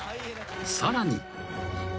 ［さらに］